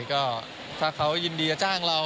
ก็ถ้าเขายินดีจะจ้างเรา